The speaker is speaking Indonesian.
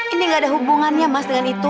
ini gak ada hubungannya mas dengan itu